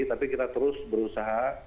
tapi kita terus berusaha